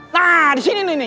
nah disini nih nih